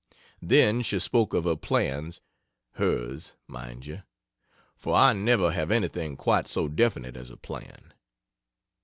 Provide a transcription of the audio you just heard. Then she spoke of her plans hers, mind you, for I never have anything quite so definite as a plan.